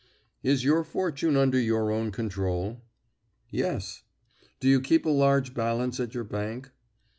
"Is your fortune under your own control?" "Yes." "Do you keep a large balance at your bank?"